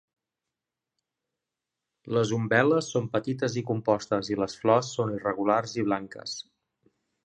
Les umbel·les són petites i compostes i les flors són irregulars i blanques.